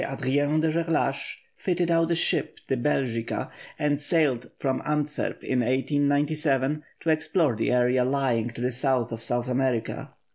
Adrien de Gerlache, fitted out a ship, the Belgica, and sailed from Antwerp, in 1897, to explore the area lying to the south of South America.